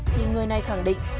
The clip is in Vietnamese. thì người này khẳng định